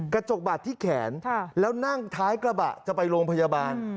กระจกบาดที่แขนแล้วนั่งท้ายกระบะจะไปโรงพยาบาล